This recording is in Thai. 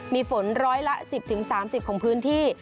มีฝนร้อยละ๑๐๓๐ของพื้นที่